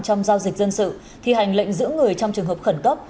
trong giao dịch dân sự thi hành lệnh giữ người trong trường hợp khẩn cấp